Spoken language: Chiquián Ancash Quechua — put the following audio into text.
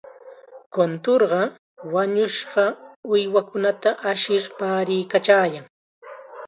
Kunturqa wañushqa uywakunata ashir paariykachaykan.